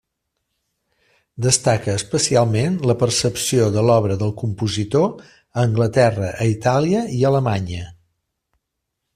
Destaca especialment la percepció de l’obra del compositor a Anglaterra, a Itàlia i a Alemanya.